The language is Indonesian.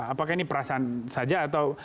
apakah ini perasaan saja atau